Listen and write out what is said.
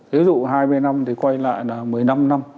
ví dụ hai mươi năm thì quay lại là một mươi năm năm